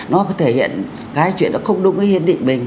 nó thể hiện cái chuyện đó không đúng với hiện định mình